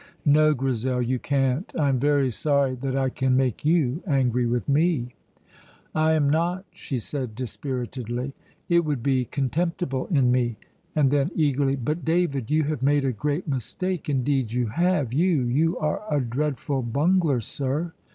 "No, Grizel, you can't. I am very sorry that I can make you angry with me." "I am not," she said dispiritedly. "It would be contemptible in me." And then, eagerly: "But, David, you have made a great mistake, indeed you have. You you are a dreadful bungler, sir!"